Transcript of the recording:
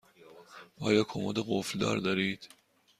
آیا کمد قفل دار دارید؟